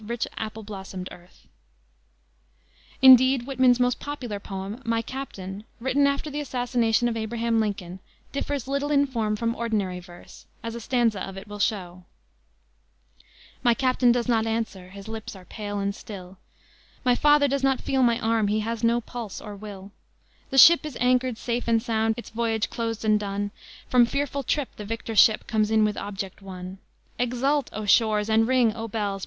rich, apple blossomed earth." Indeed, Whitman's most popular poem, My Captain, written after the assassination of Abraham Lincoln, differs little in form from ordinary verse, as a stanza of it will show: "My captain does not answer, his lips are pale and still; My father does not feel my arm, he has no pulse nor will; The ship is anchored safe and sound, its voyage closed and done; From fearful trip the victor ship comes in with object won. Exult, O shores, and ring, O bells!